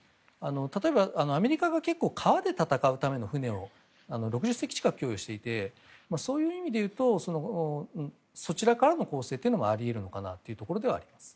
例えばアメリカが川で戦うための船を６０隻近く供与していてそういう意味で言うとそちらからの攻勢はあり得るのかなというところではあります。